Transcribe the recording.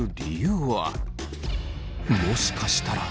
もしかしたら。